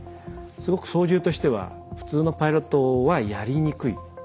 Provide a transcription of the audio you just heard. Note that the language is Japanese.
すごく操縦としては普通のパイロットはやりにくい。